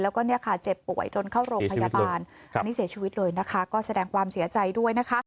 แล้วก็เจ็บป่วยจนเข้าโรงพยาบาลเสียชีวิตเลยนะคะก็แสดงความเสียใจด้วยนะคะ